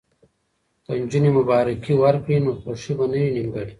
که نجونې مبارکي ورکړي نو خوښي به نه وي نیمګړې.